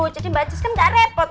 jadi mbak jess kan gak repot